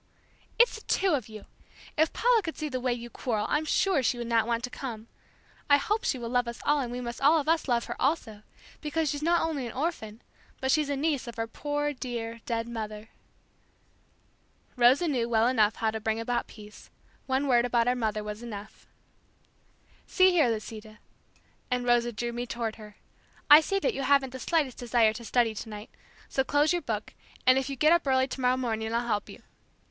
"It's the two of you! If Paula could see the way you quarrel I'm sure she would not want to come. I hope she will love us all and we must all of us love her also, because she's not only an orphan, but she's a niece of our poor dear, dead mother." Rosa knew well how to bring about peace. One word about our mother was enough. "See here, Lisita," and Rosa drew me toward her, "I see that you haven't the slightest desire to study tonight, so close your book, and if you get up early tomorrow morning I'll help you.